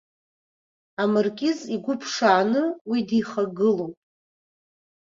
Амаркиз игәы ԥшааны уи дихагылоуп.